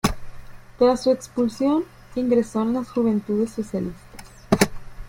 Tras su expulsión, ingresó en las Juventudes Socialistas.